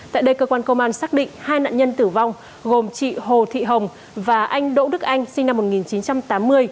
tại đây cơ quan công an xác định hai nạn nhân tử vong gồm chị hồ thị hồng và anh đỗ đức anh sinh năm một nghìn chín trăm tám mươi